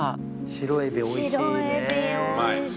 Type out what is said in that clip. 白エビおいしい！